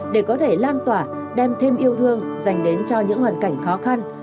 để có thể lan tỏa đem thêm yêu thương dành đến cho những hoàn cảnh khó khăn